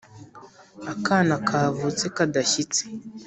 Akana kavutse kadashyitse.